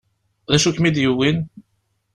D acu i kem-id-yewwin?